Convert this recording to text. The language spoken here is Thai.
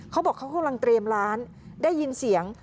เขาบอกเขากำลังเตรียมร้านได้ยินเสียง